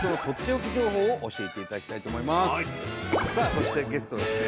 そしてゲストですね。